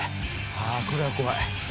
ああこれは怖い。